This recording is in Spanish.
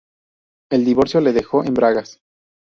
El divorcio le dejó en bragas